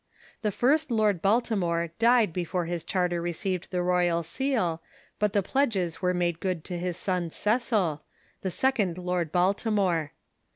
The first Lord Balti more died before his charter received the royal seal, but the pledges were made good to his son Cecil, the second Lord Bal timore.